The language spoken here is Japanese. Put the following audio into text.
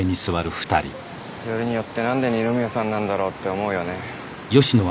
よりによって何で二ノ宮さんなんだろうって思うよね。